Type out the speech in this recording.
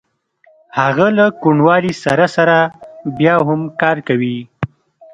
هغه له کوڼوالي سره سره بیا هم کار کوي